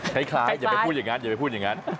ใช้คล้ายอย่าไปพูดอย่างนั้น